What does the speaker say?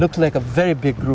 cô gái trẻ này đã bước ra